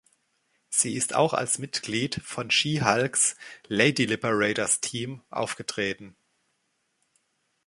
Sie ist auch als Mitglied von She-Hulks „Lady Liberators“-Team aufgetreten.